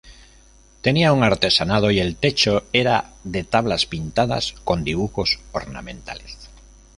Tenía un artesonado y el techo era de tablas pintadas con dibujos ornamentales.